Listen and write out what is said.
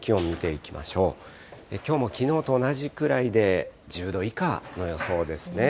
きょうもきのうと同じくらいで、１０度以下の予想ですね。